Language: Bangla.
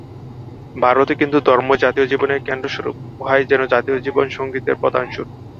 ভারতে কিন্তু ধর্মই জাতীয় জীবনের কেন্দ্রস্বরূপ, উহাই যেন জাতীয় জীবন-সঙ্গীতের প্রধান সুর।